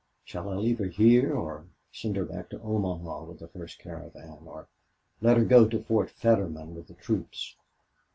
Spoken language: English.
"Shall I leave her here or send her back to Omaha with the first caravan, or let her go to Fort Fetterman with the troops?"